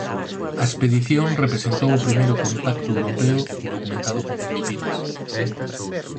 A expedición representou o primeiro contacto europeo documentado con Filipinas.